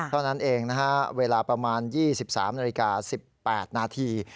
เท่านั้นเองนะฮะเวลาประมาณ๒๓นาฬิกา๑๘นาที